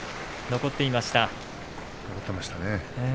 残っていました。